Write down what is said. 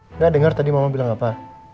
enggak denger tadi mama bilang apa